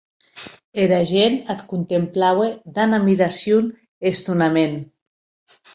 Era gent ac contemplaue damb admiracion e estonament.